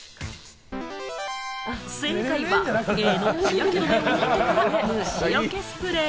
正解はＡの日焼け止めを塗ってから虫よけスプレー。